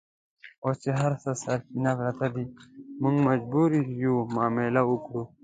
اوس چې هرڅه سرچپه پراته دي، موږ مجبور یو معامله وکړو.